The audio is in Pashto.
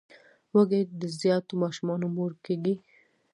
وزې د زیاتو ماشومانو مور کیږي